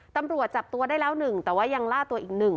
ตำรวจจับตัวได้แล้ว๑แต่ว่ายังล่าตัวอีก๑